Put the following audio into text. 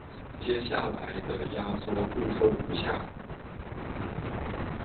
接下来的压缩步骤如下。